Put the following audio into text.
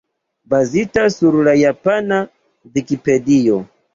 Bazita sur la japana Vikipedio.